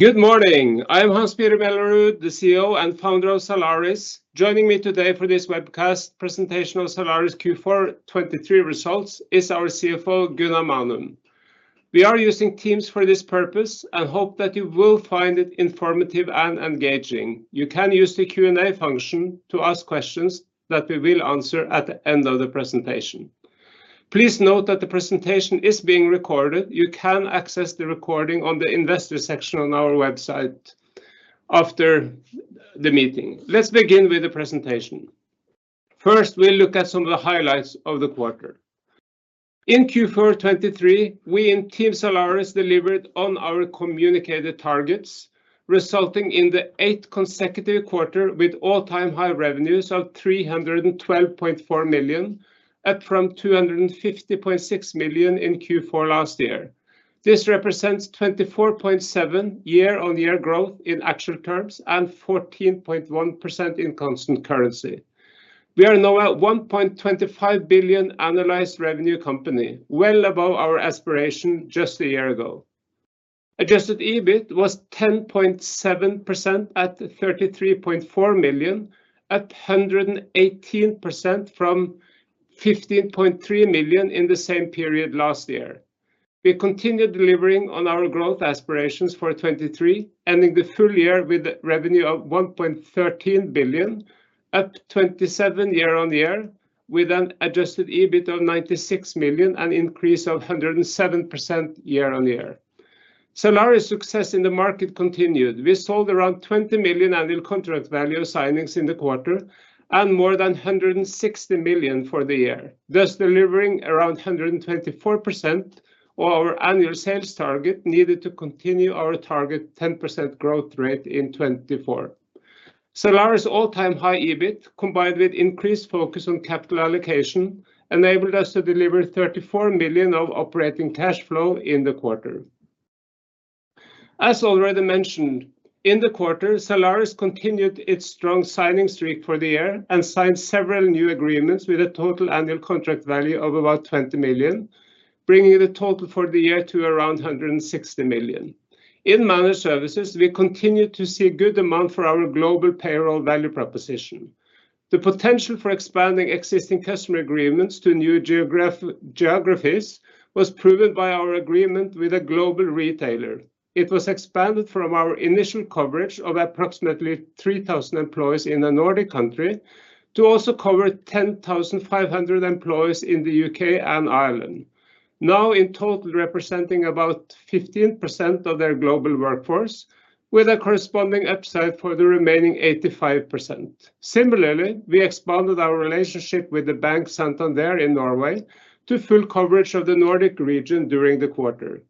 Good morning. I'm Hans-Petter Mellerud, the CEO and founder of Zalaris. Joining me today for this webcast presentation of Zalaris Q4 2023 results is our CFO, Gunnar Manum. We are using Teams for this purpose and hope that you will find it informative and engaging. You can use the Q&A function to ask questions that we will answer at the end of the presentation. Please note that the presentation is being recorded. You can access the recording on the investor section on our website after the meeting. Let's begin with the presentation. First, we'll look at some of the highlights of the quarter. In Q4 2023, we in Team Zalaris delivered on our communicated targets, resulting in the 8th consecutive quarter with all-time high revenues of 312.4 million up from 250.6 million in Q4 last year. This represents 24.7% year-on-year growth in actual terms and 14.1% in constant currency. We are now a 1.25 billion annualized revenue company, well above our aspiration just a year ago. Adjusted EBIT was 10.7% at 33.4 million, up 118% from 15.3 million in the same period last year. We continued delivering on our growth aspirations for 2023, ending the full year with revenue of 1.13 billion, up 27% year-on-year with an adjusted EBIT of 96 million and increase of 107% year-on-year. Zalaris' success in the market continued. We sold around 20 million annual contract value signings in the quarter and more than 160 million for the year, thus delivering around 124% of our annual sales target needed to continue our target 10% growth rate in 2024. Zalaris' all-time high EBIT, combined with increased focus on capital allocation, enabled us to deliver 34 million of operating cash flow in the quarter. As already mentioned, in the quarter, Zalaris continued its strong signing streak for the year and signed several new agreements with a total annual contract value of about 20 million, bringing the total for the year to around 160 million. In managed services, we continued to see a good amount for our global payroll value proposition. The potential for expanding existing customer agreements to new geographies was proven by our agreement with a global retailer. It was expanded from our initial coverage of approximately 3,000 employees in a Nordic country to also cover 10,500 employees in the U.K. and Ireland, now in total representing about 15% of their global workforce with a corresponding upside for the remaining 85%. Similarly, we expanded our relationship with the bank Santander in Norway to full coverage of the Nordic region during the quarter.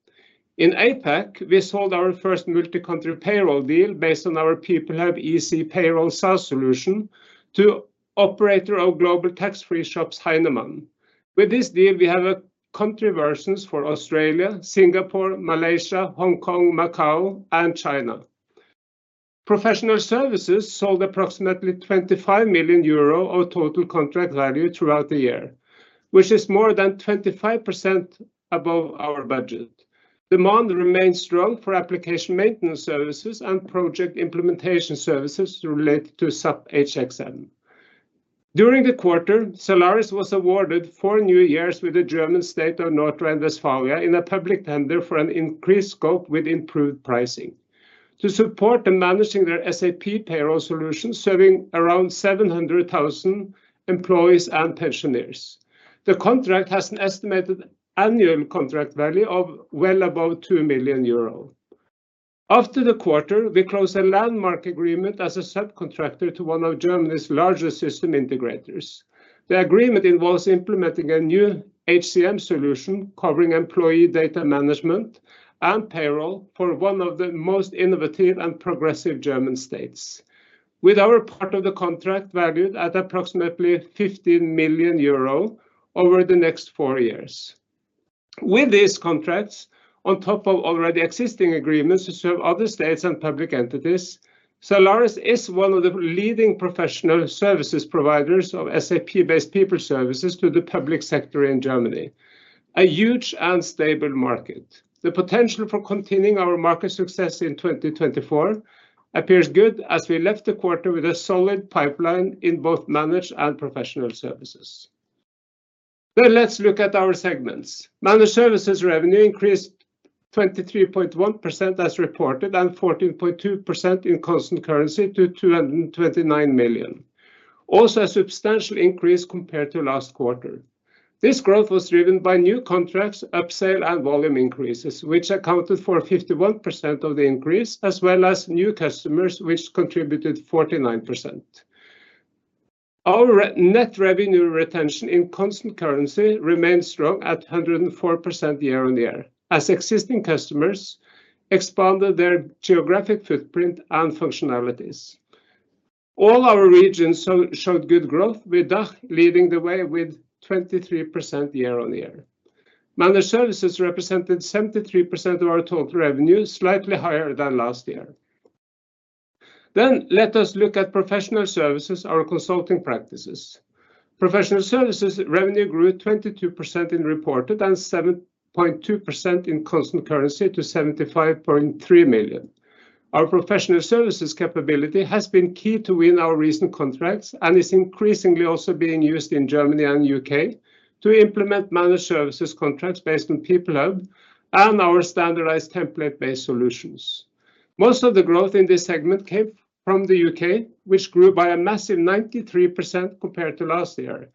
In APAC, we sold our first multi-country payroll deal based on our PeopleHub EC Payroll SaaS solution to operator of global tax-free shops Heinemann. With this deal, we have coverage for Australia, Singapore, Malaysia, Hong Kong, Macau, and China. Professional Services sold approximately 25 million euro of total contract value throughout the year, which is more than 25% above our budget. Demand remains strong for application maintenance services and project implementation services related to SAP HXM. During the quarter, Zalaris was awarded a four-year contract with the German state of North Rhine-Westphalia in a public tender for an increased scope with improved pricing to support them in managing their SAP payroll solution, serving around 700,000 employees and pensioners. The contract has an estimated annual contract value of well above 2 million euro. After the quarter, we closed a landmark agreement as a subcontractor to one of Germany's largest system integrators. The agreement involves implementing a new HCM solution covering employee data management and payroll for one of the most innovative and progressive German states, with our part of the contract valued at approximately 15 million euro over the next four years. With these contracts, on top of already existing agreements to serve other states and public entities, Zalaris is one of the leading professional services providers of SAP-based people services to the public sector in Germany, a huge and stable market. The potential for continuing our market success in 2024 appears good as we left the quarter with a solid pipeline in both managed and professional services. Let's look at our segments. Managed services revenue increased 23.1% as reported and 14.2% in constant currency to 229 million, also a substantial increase compared to last quarter. This growth was driven by new contracts, upsale, and volume increases, which accounted for 51% of the increase, as well as new customers, which contributed 49%. Our net revenue retention in constant currency remained strong at 104% year-on-year as existing customers expanded their geographic footprint and functionalities. All our regions showed good growth, with DACH leading the way with 23% year-on-year. Managed Services represented 73% of our total revenue, slightly higher than last year. Let us look at Professional Services, our consulting practices. Professional Services revenue grew 22% in reported and 7.2% in constant currency to 75.3 million. Our Professional Services capability has been key to win our recent contracts and is increasingly also being used in Germany and U.K. to implement Managed Services contracts based on PeopleHub and our standardized template-based solutions. Most of the growth in this segment came from the U.K., which grew by a massive 93% compared to last year,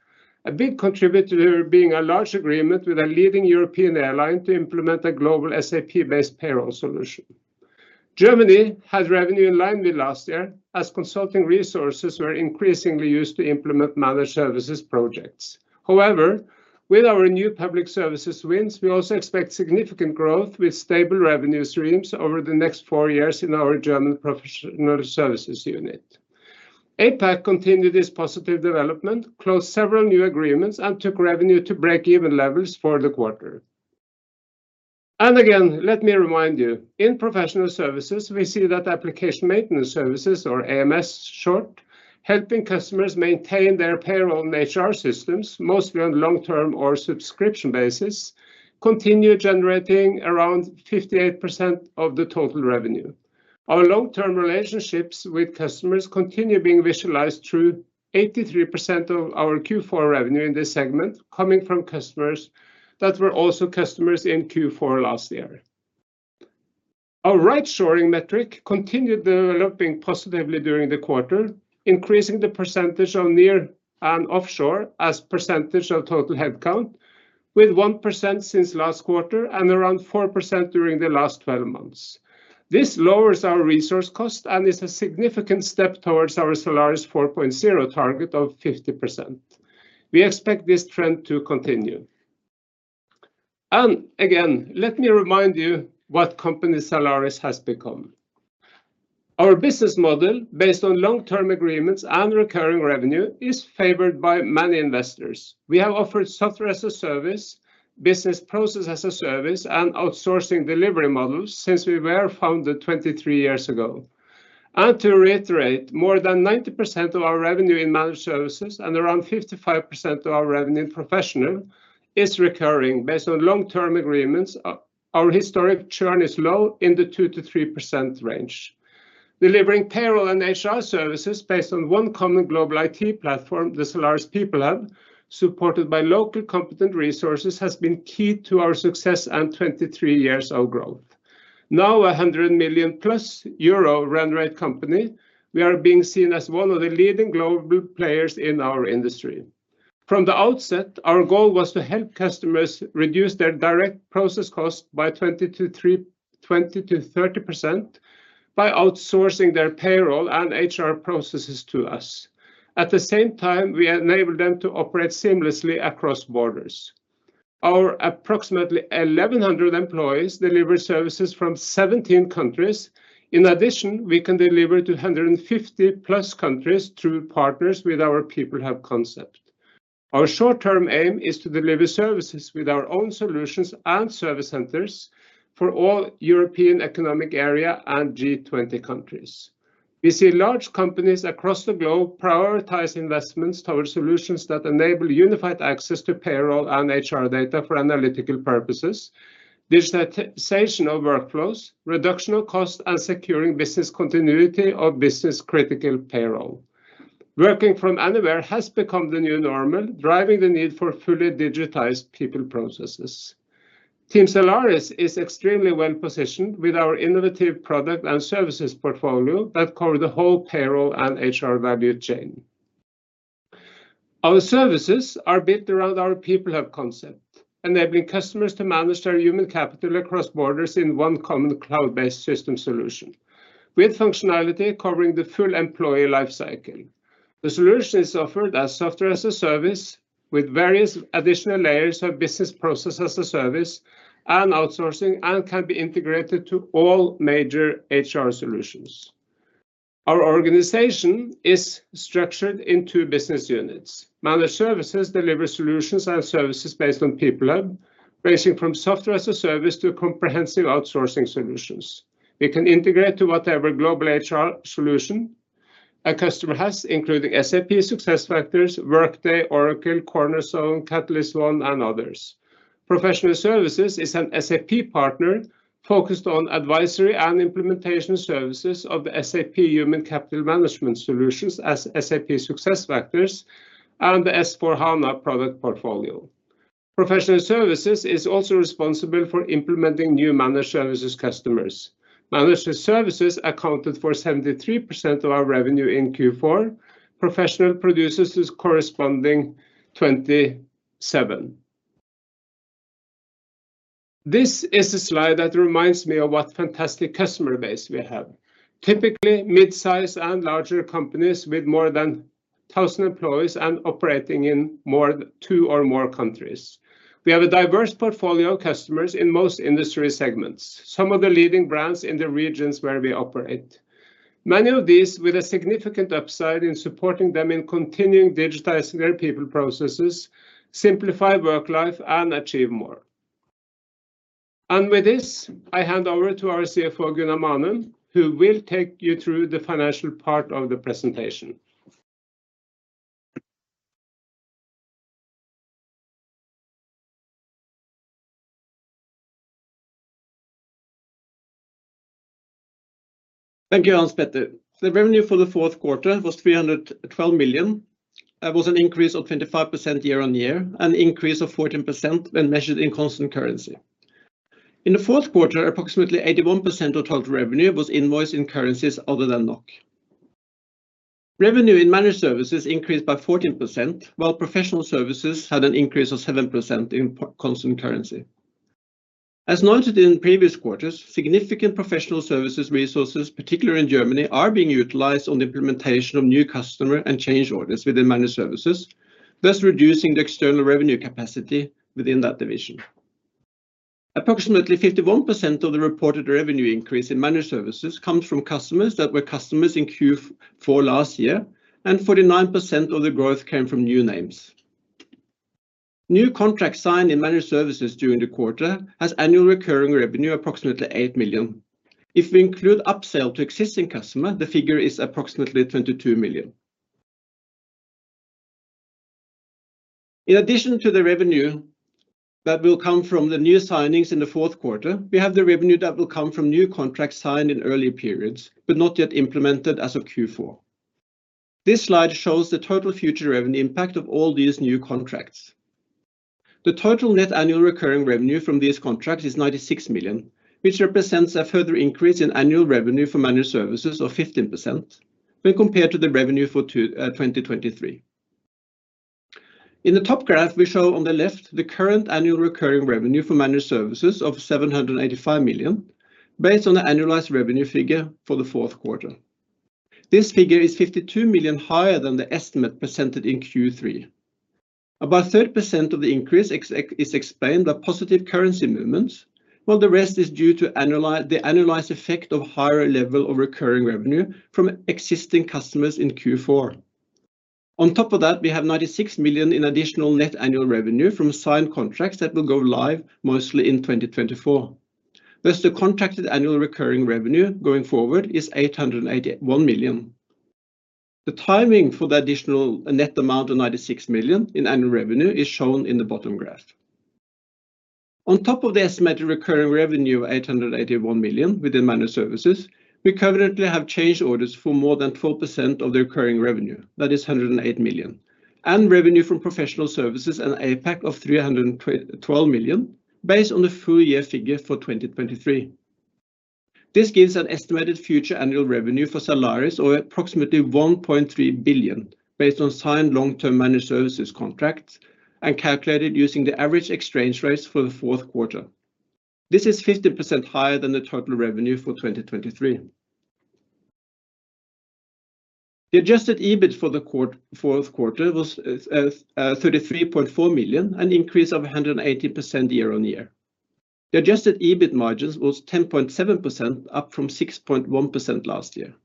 a big contributor being a large agreement with a leading European airline to implement a global SAP-based payroll solution. Germany had revenue in line with last year as consulting resources were increasingly used to implement managed services projects. However, with our new public services wins, we also expect significant growth with stable revenue streams over the next four years in our German professional services unit. APAC continued this positive development, closed several new agreements, and took revenue to break-even levels for the quarter. Again, let me remind you, in professional services, we see that application maintenance services, or AMS short, helping customers maintain their payroll and HR systems, mostly on long-term or subscription basis, continue generating around 58% of the total revenue. Our long-term relationships with customers continue being visualized through 83% of our Q4 revenue in this segment, coming from customers that were also customers in Q4 last year. Our right-shoring metric continued developing positively during the quarter, increasing the percentage of near and offshore as percentage of total headcount, with 1% since last quarter and around 4% during the last 12 months. This lowers our resource cost and is a significant step towards our Zalaris 4.0 target of 50%. We expect this trend to continue. Again, let me remind you what company Zalaris has become. Our business model, based on long-term agreements and recurring revenue, is favored by many investors. We have offered software as a service, business process as a service, and outsourcing delivery models since we were founded 23 years ago. To reiterate, more than 90% of our revenue in managed services and around 55% of our revenue in professional is recurring based on long-term agreements. Our historic churn is low in the 2%-3% range. Delivering payroll and HR services based on one common global IT platform, the Zalaris PeopleHub, supported by local competent resources, has been key to our success and 23 years of growth. Now a 100 million euro+ run rate company, we are being seen as one of the leading global players in our industry. From the outset, our goal was to help customers reduce their direct process costs by 20%-30% by outsourcing their payroll and HR processes to us. At the same time, we enable them to operate seamlessly across borders. Our approximately 1,100 employees deliver services from 17 countries. In addition, we can deliver to 150+ countries through partners with our PeopleHub concept. Our short-term aim is to deliver services with our own solutions and service centers for all European Economic Area and G20 countries. We see large companies across the globe prioritize investments toward solutions that enable unified access to payroll and HR data for analytical purposes, digitization of workflows, reduction of cost, and securing business continuity of business-critical payroll. Working from anywhere has become the new normal, driving the need for fully digitized people processes. Team Zalaris is extremely well positioned with our innovative product and services portfolio that cover the whole payroll and HR value chain. Our services are built around our PeopleHub concept, enabling customers to manage their human capital across borders in one common cloud-based system solution with functionality covering the full employee lifecycle. The solution is offered as software as a service with various additional layers of business process as a service and outsourcing and can be integrated to all major HR solutions. Our organization is structured in two business units. Managed Services deliver solutions and services based on PeopleHub, ranging from software as a service to comprehensive outsourcing solutions. We can integrate to whatever global HR solution a customer has, including SAP SuccessFactors, Workday, Oracle, Cornerstone, CatalystOne, and others. Professional Services is an SAP partner focused on advisory and implementation services of the SAP Human Capital Management solutions as SAP SuccessFactors and the S/4HANA product portfolio. Professional Services is also responsible for implementing new Managed Services customers. Managed Services accounted for 73% of our revenue in Q4. Professional produces the corresponding 27%. This is a slide that reminds me of what fantastic customer base we have, typically midsize and larger companies with more than 1,000 employees and operating in more than two or more countries. We have a diverse portfolio of customers in most industry segments, some of the leading brands in the regions where we operate. Many of these, with a significant upside in supporting them in continuing digitizing their people processes, simplify work life and achieve more. And with this, I hand over to our CFO, Gunnar Manum, who will take you through the financial part of the presentation. Thank you, Hans-Petter. The revenue for the fourth quarter was 312 million. That was an increase of 25% year-on-year, an increase of 14% when measured in constant currency. In the fourth quarter, approximately 81% of total revenue was invoiced in currencies other than NOK. Revenue in Managed Services increased by 14%, while Professional Services had an increase of 7% in constant currency. As noted in previous quarters, significant Professional Services resources, particularly in Germany, are being utilized on the implementation of new customer and change orders within Managed Services, thus reducing the external revenue capacity within that division. Approximately 51% of the reported revenue increase in Managed Services comes from customers that were customers in Q4 last year, and 49% of the growth came from new names. New contracts signed in Managed Services during the quarter has annual recurring revenue approximately 8 million. If we include upsell to existing customers, the figure is approximately 22 million. In addition to the revenue that will come from the new signings in the fourth quarter, we have the revenue that will come from new contracts signed in early periods but not yet implemented as of Q4. This slide shows the total future revenue impact of all these new contracts. The total net annual recurring revenue from these contracts is 96 million, which represents a further increase in annual revenue for managed services of 15% when compared to the revenue for 2023. In the top graph, we show on the left the current annual recurring revenue for managed services of 785 million based on the annualized revenue figure for the fourth quarter. This figure is 52 million higher than the estimate presented in Q3. About 30% of the increase is explained by positive currency movements, while the rest is due to the annualized effect of a higher level of recurring revenue from existing customers in Q4. On top of that, we have 96 million in additional net annual revenue from signed contracts that will go live mostly in 2024. Thus, the contracted annual recurring revenue going forward is 881 million. The timing for the additional net amount of 96 million in annual revenue is shown in the bottom graph. On top of the estimated recurring revenue of 881 million within managed services, we currently have change orders for more than 12% of the recurring revenue, that is 108 million, and revenue from professional services and APAC of 312 million based on the full year figure for 2023. This gives an estimated future annual revenue for Zalaris of approximately 1.3 billion based on signed long-term managed services contracts and calculated using the average exchange rates for the fourth quarter. This is 15% higher than the total revenue for 2023. The adjusted EBIT for the fourth quarter was 33.4 million, an increase of 180% year-on-year. The adjusted EBIT margins were 10.7%, up from 6.1% last year.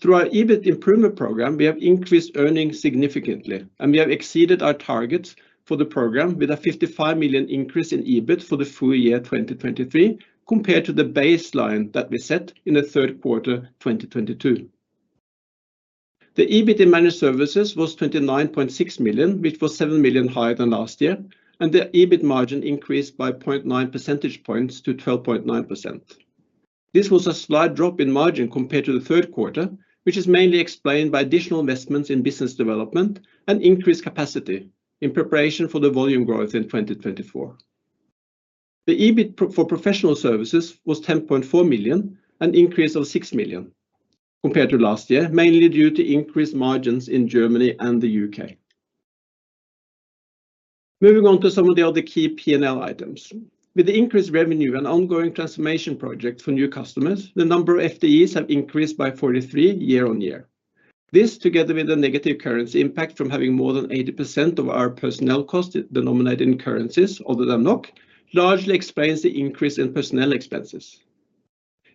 Through our EBIT improvement program, we have increased earnings significantly, and we have exceeded our targets for the program with a 55 million increase in EBIT for the full year 2023 compared to the baseline that we set in the third quarter 2022. The EBIT in managed services was 29.6 million, which was 7 million higher than last year, and the EBIT margin increased by 0.9 percentage points to 12.9%. This was a slight drop in margin compared to the third quarter, which is mainly explained by additional investments in business development and increased capacity in preparation for the volume growth in 2024. The EBIT for professional services was 10.4 million, an increase of 6 million compared to last year, mainly due to increased margins in Germany and the U.K. Moving on to some of the other key P&L items. With the increased revenue and ongoing transformation projects for new customers, the number of FTEs have increased by 43 year-on-year. This, together with the negative currency impact from having more than 80% of our personnel costs denominated in currencies other than NOK, largely explains the increase in personnel expenses.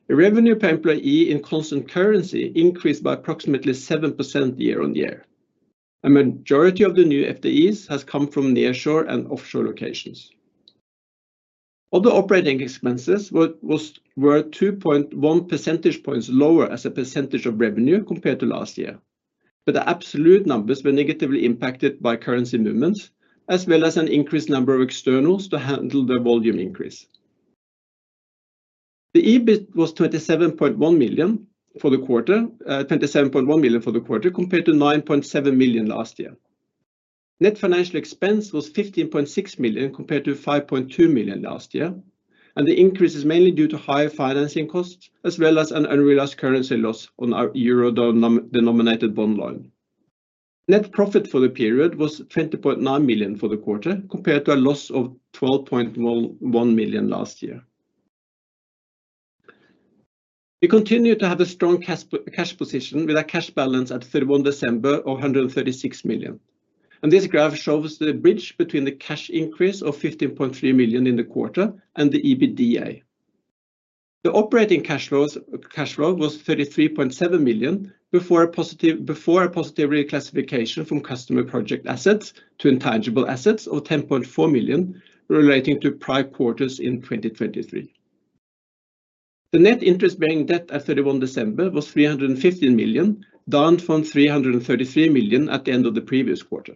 The revenue per employee in constant currency increased by approximately 7% year-on-year. A majority of the new FDEs have come from nearshore and offshore locations. Other operating expenses were 2.1 percentage points lower as a percentage of revenue compared to last year, but the absolute numbers were negatively impacted by currency movements as well as an increased number of externals to handle the volume increase. The EBIT was 27.1 million for the quarter, 27.1 million for the quarter compared to 9.7 million last year. Net financial expense was 15.6 million compared to 5.2 million last year, and the increase is mainly due to higher financing costs as well as an unrealized currency loss on our euro denominated bond line. Net profit for the period was 20.9 million for the quarter compared to a loss of 12.1 million last year. We continue to have a strong cash position with a cash balance at 31 December of 136 million, and this graph shows the bridge between the cash increase of 15.3 million in the quarter and the EBITDA. The operating cash flow was 33.7 million before a positive reclassification from customer project assets to intangible assets of 10.4 million relating to prior quarters in 2023. The net interest bearing debt at 31 December was 315 million, down from 333 million at the end of the previous quarter.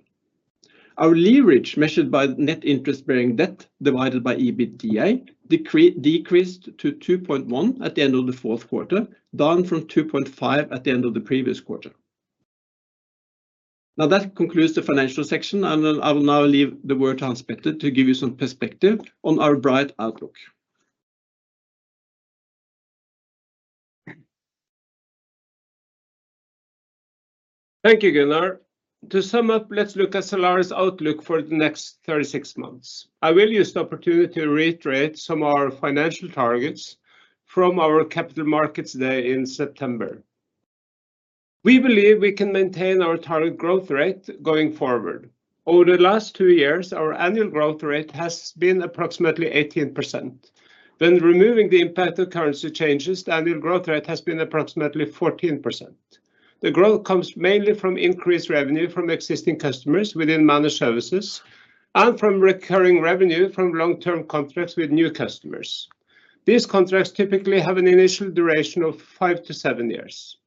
Our leverage measured by net interest bearing debt divided by EBITDA decreased to 2.1 at the end of the fourth quarter, down from 2.5 at the end of the previous quarter. Now that concludes the financial section, and I will now leave the word to Hans-Petter to give you some perspective on our bright outlook. Thank you, Gunnar. To sum up, let's look at Zalaris outlook for the next 36 months. I will use the opportunity to reiterate some of our financial targets from our Capital Markets Day in September. We believe we can maintain our target growth rate going forward. Over the last two years, our annual growth rate has been approximately 18%. When removing the impact of currency changes, the annual growth rate has been approximately 14%. The growth comes mainly from increased revenue from existing customers within managed services and from recurring revenue from long-term contracts with new customers. These contracts typically have an initial duration of five to seven years.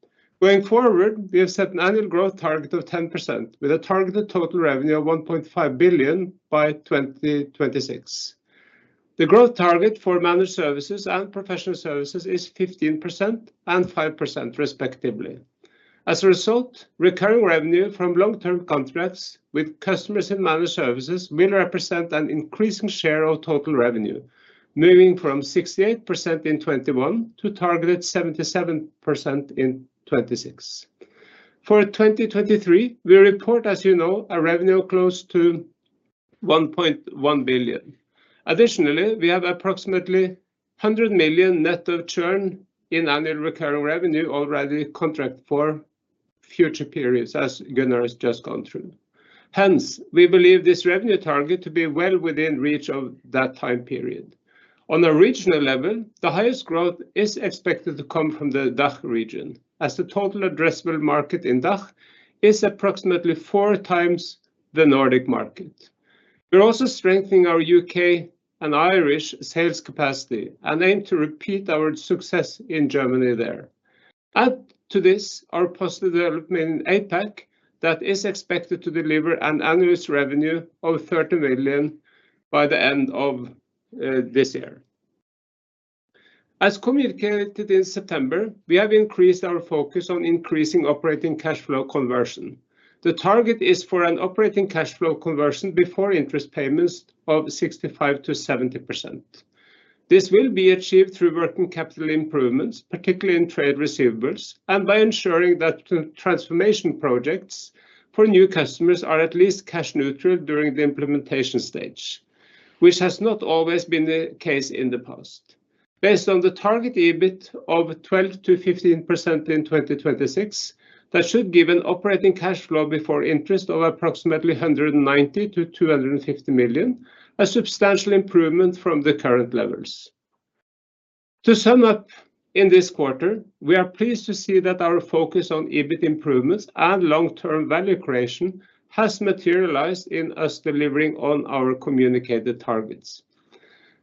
Going forward, we have set an annual growth target of 10% with a targeted total revenue of 1.5 billion by 2026. The growth target for managed services and professional services is 15% and 5% respectively. As a result, recurring revenue from long-term contracts with customers in managed services will represent an increasing share of total revenue, moving from 68% in 2021 to targeted 77% in 2026. For 2023, we report, as you know, a revenue of close to 1.1 billion. Additionally, we have approximately 100 million net of churn in annual recurring revenue already contracted for future periods, as Gunnar has just gone through. Hence, we believe this revenue target to be well within reach of that time period. On a regional level, the highest growth is expected to come from the DACH region, as the total addressable market in DACH is approximately four times the Nordic market. We're also strengthening our U.K. and Irish sales capacity and aim to repeat our success in Germany there. Add to this our positive development in APAC that is expected to deliver an annual revenue of 30 million by the end of this year. As communicated in September, we have increased our focus on increasing operating cash flow conversion. The target is for an operating cash flow conversion before interest payments of 65%-70%. This will be achieved through working capital improvements, particularly in trade receivables, and by ensuring that transformation projects for new customers are at least cash neutral during the implementation stage, which has not always been the case in the past. Based on the target EBIT of 12%-15% in 2026, that should give an operating cash flow before interest of approximately 190 million-250 million, a substantial improvement from the current levels. To sum up, in this quarter, we are pleased to see that our focus on EBIT improvements and long-term value creation has materialized in us delivering on our communicated targets.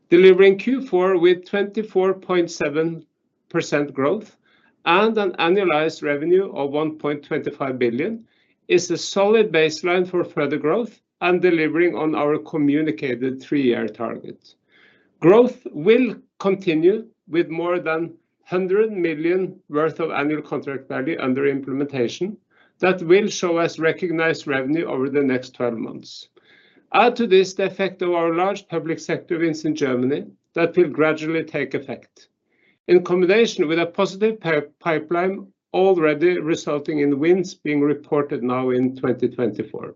Delivering Q4 with 24.7% growth and an annualized revenue of 1.25 billion is a solid baseline for further growth and delivering on our communicated three-year target. Growth will continue with more than 100 million worth of annual contract value under implementation that will show us recognized revenue over the next 12 months. Add to this the effect of our large public sector wins in Germany that will gradually take effect, in combination with a positive pipeline already resulting in wins being reported now in 2024.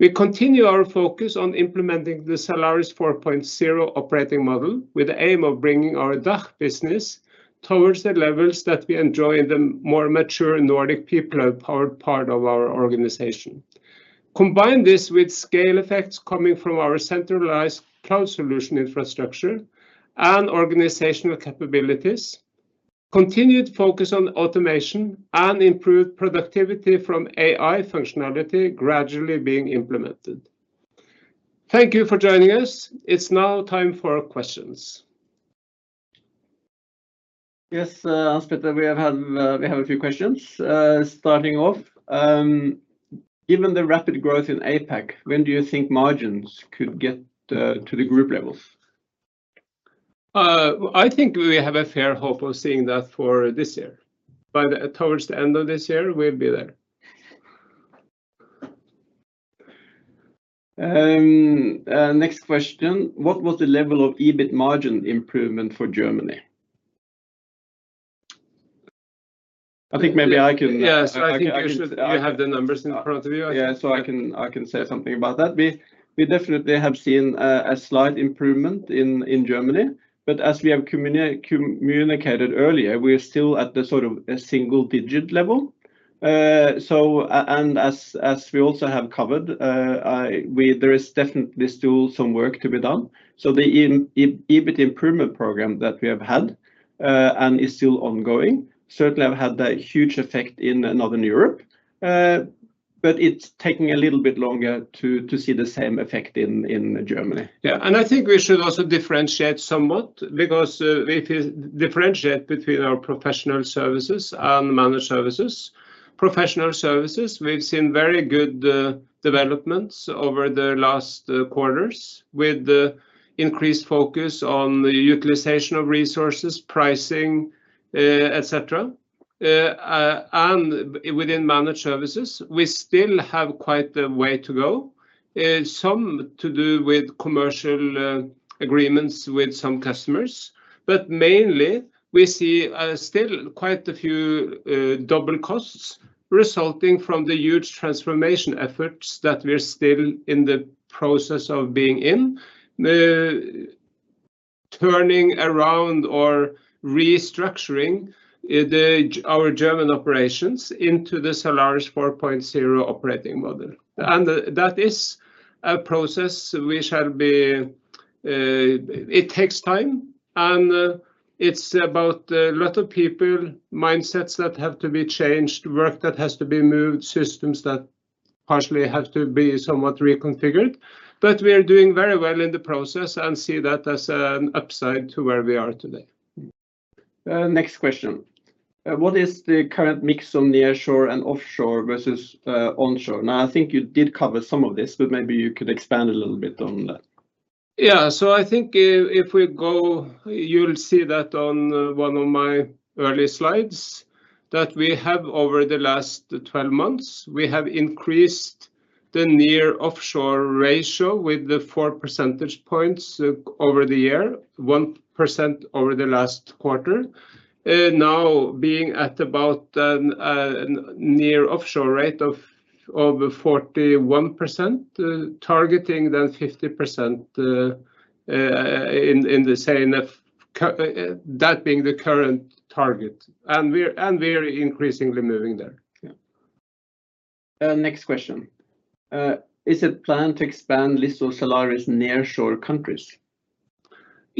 We continue our focus on implementing the Zalaris 4.0 operating model with the aim of bringing our DACH business towards the levels that we enjoy in the more mature Nordic people-powered part of our organization. Combine this with scale effects coming from our centralized cloud solution infrastructure and organizational capabilities, continued focus on automation, and improved productivity from AI functionality gradually being implemented. Thank you for joining us. It's now time for questions. Yes, Hans-Petter, we have a few questions. Starting off, given the rapid growth in APAC, when do you think margins could get to the group levels? I think we have a fair hope of seeing that for this year. Towards the end of this year, we'll be there. Next question. What was the level of EBIT margin improvement for Germany? I think maybe I can. Yes, I think you should. You have the numbers in front of you. Yeah, so I can say something about that. We definitely have seen a slight improvement in Germany, but as we have communicated earlier, we are still at the sort of a single-digit level. As we also have covered, there is definitely still some work to be done. So the EBIT improvement program that we have had and is still ongoing certainly have had a huge effect in northern Europe, but it's taking a little bit longer to see the same effect in Germany. Yeah, and I think we should also differentiate somewhat because if you differentiate between our professional services and managed services, professional services, we've seen very good developments over the last quarters with increased focus on utilization of resources, pricing, etc. And within managed services, we still have quite a way to go, some to do with commercial agreements with some customers, but mainly we see still quite a few double costs resulting from the huge transformation efforts that we're still in the process of being in, turning around or restructuring our German operations into the Zalaris 4.0 operating model. That is a process which shall be it takes time, and it's about a lot of people, mindsets that have to be changed, work that has to be moved, systems that partially have to be somewhat reconfigured. But we are doing very well in the process and see that as an upside to where we are today. Next question. What is the current mix on nearshore and offshore versus onshore? Now, I think you did cover some of this, but maybe you could expand a little bit on that. Yeah, I think if we go, you'll see that on one of my early slides that we have over the last 12 months, we have increased the near-offshore ratio with 4 percentage points over the year, 1% over the last quarter, now being at about a near-offshore rate of 41%, targeting then 50% in the same that being the current target. We are increasingly moving there. Next question. Is it planned to expand List of Zalaris nearshore countries?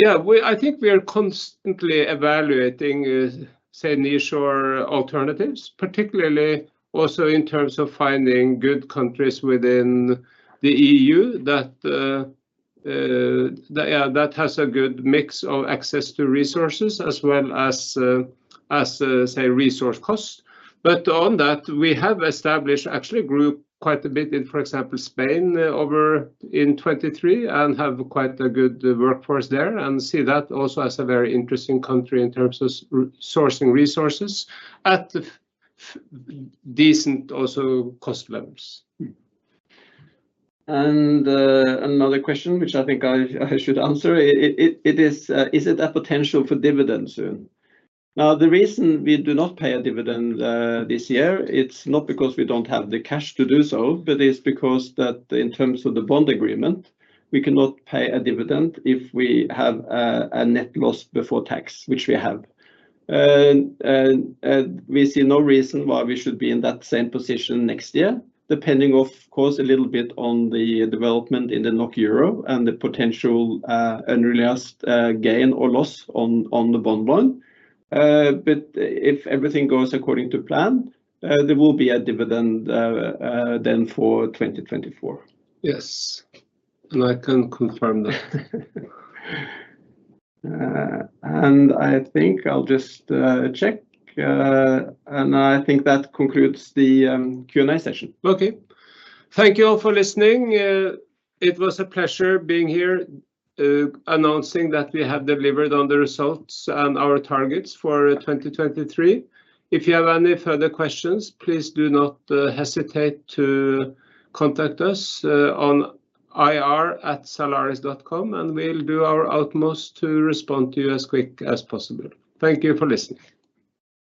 Yeah, I think we are constantly evaluating, say, nearshore alternatives, particularly also in terms of finding good countries within the EU that has a good mix of access to resources as well as, say, resource costs. But on that, we have established actually grouped quite a bit in, for example, Spain in 2023 and have quite a good workforce there and see that also as a very interesting country in terms of sourcing resources at decent also cost levels. Another question, which I think I should answer, is it a potential for dividend soon? Now, the reason we do not pay a dividend this year, it's not because we don't have the cash to do so, but it's because that in terms of the bond agreement, we cannot pay a dividend if we have a net loss before tax, which we have. We see no reason why we should be in that same position next year, depending, of course, a little bit on the development in the NOK/EUR and the potential unrealized gain or loss on the bond line. If everything goes according to plan, there will be a dividend then for 2024. Yes, and I can confirm that. I think I'll just check, and I think that concludes the Q&A session. Okay. Thank you all for listening. It was a pleasure being here announcing that we have delivered on the results and our targets for 2023. If you have any further questions, please do not hesitate to contact us on ir@zalaris.com, and we'll do our utmost to respond to you as quick as possible. Thank you for listening.